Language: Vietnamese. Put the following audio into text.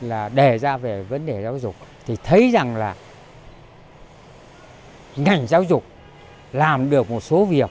là đề ra về vấn đề giáo dục thì thấy rằng là ngành giáo dục làm được một số việc